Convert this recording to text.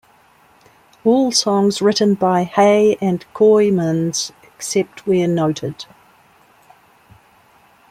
All songs written by Hay and Kooymans except where noted.